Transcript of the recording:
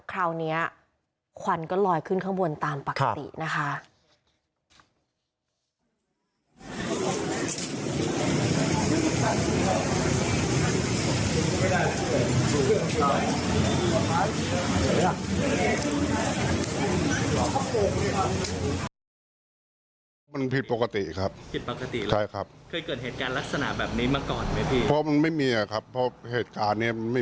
คราวนี้ควันก็ลอยขึ้นข้างบนตามปกตินะคะ